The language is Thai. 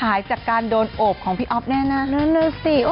หายจากการโดนโอบของพี่อ๊อฟแน่นะนั่นน่ะสิ